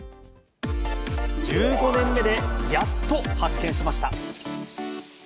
１５年目でやっと発見しました。